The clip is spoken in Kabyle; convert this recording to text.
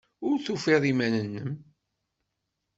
Ur tufid iman-nnem.